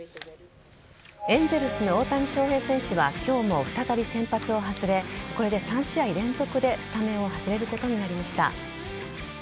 エンゼルスの大谷翔平選手は今日も再び先発を外れこれで３試合連続でスタメンを外れることになりました。